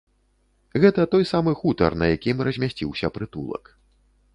Гэта той самы хутар, на якім размясціўся прытулак.